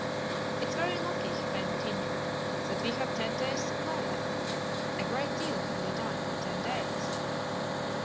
"It is very lucky," he continued, "that we have ten days' supply left. A great deal can be done in ten days."